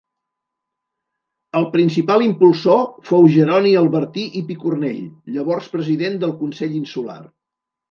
El principal impulsor fou Jeroni Albertí i Picornell, llavors president del Consell Insular.